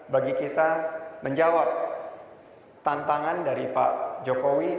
bagi kita menjawab tantangan dari pak jokowi